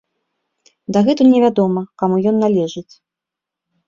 Дагэтуль невядома, каму ён належыць.